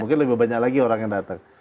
mungkin lebih banyak lagi orang yang datang